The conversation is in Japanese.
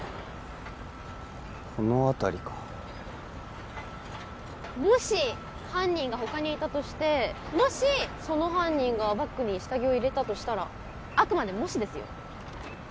この辺りかもし犯人が他にいたとしてもしその犯人がバッグに下着を入れたとしたらあくまでもしですよ